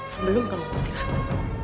sebelum kamu usir aku